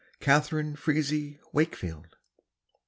Catharine Frazee Wakefield.